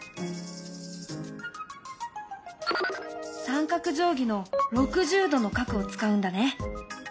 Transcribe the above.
三角定規の６０°の角を使うんだね。